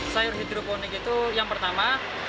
sayur hidroponik itu yang pertama